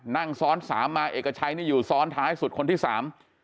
นั่งซ้อนสามมาเอกชัยนี่อยู่ซ้อนท้ายสุดคนที่สาม